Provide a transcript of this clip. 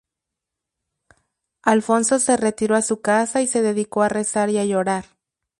Alfonso se retiró a su casa y se dedicó a rezar y a llorar.